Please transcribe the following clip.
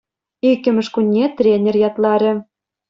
Иккӗмӗш кунне тренер ятларӗ.